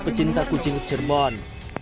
pecinta kucing cirebon